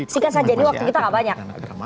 jika saja di waktu kita gak banyak